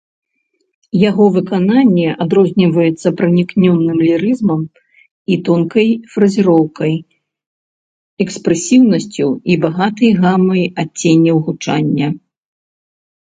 Яго выкананне адрозніваецца пранікнёным лірызмам і тонкай фразіроўкай, экспрэсіўнасцю і багатай гамай адценняў гучання.